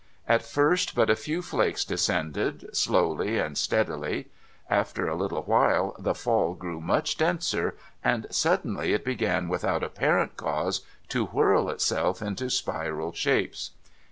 At first, but a few flakes descended slowly and steadily. After a little while the fiiU grew much denser, and suddenly it began without apparent cause to whirl itself into spiral shapes.